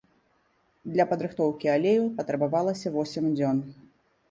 Для падрыхтоўкі алею патрабавалася восем дзён.